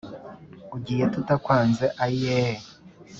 Ugiye tutakwanze ayiyeee